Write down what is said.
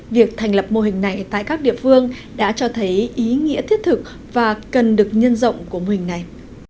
việc thành lập mô hình này tại các địa phương đã cho thấy ý nghĩa thiết thực và cần được nhân rộng của mô hình này